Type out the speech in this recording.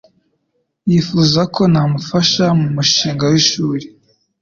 Yifuza ko namufasha mumushinga wishuri.